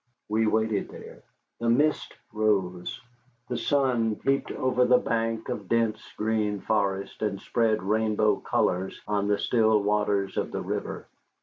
We waited there. The mist rose. The sun peeped over the bank of dense green forest and spread rainbow colors on the still waters of the river.